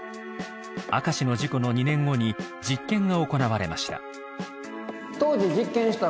明石の事故の２年後に実験が行われました。